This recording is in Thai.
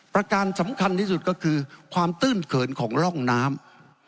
การสำคัญที่สุดก็คือความตื้นเขินของร่องน้ำ